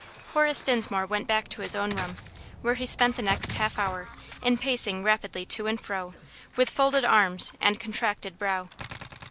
Horace Dinsmore went back to his own room, where he spent the next half hour in pacing rapidly to and fro, with folded arms and contracted brow.